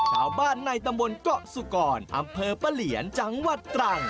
ชาวบ้านในตำบลเกาะสุกรอำเภอปะเหลียนจังหวัดตรัง